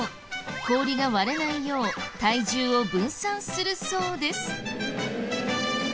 氷が割れないよう体重を分散するそうです。